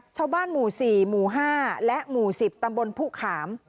ชาวบ้านหมู่๔หมู่๕และหมู่๑๐ตำบลผู้ขาม